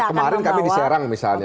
iya kemarin kami diserang misalnya